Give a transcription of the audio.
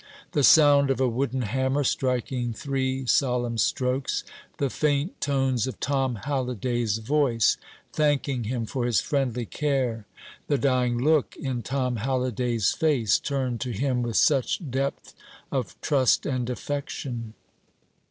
The sound of a wooden hammer striking three solemn strokes; the faint tones of Tom Halliday's voice, thanking him for his friendly care; the dying look in Tom Halliday's face, turned to him with such depth of trust and affection.